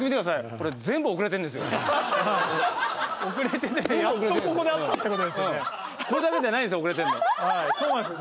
これだけじゃないんですよ